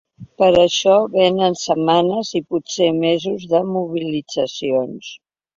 Per això vénen setmanes i potser mesos de mobilitzacions.